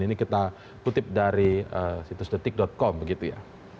ini kita kutip dari situs detik com begitu ya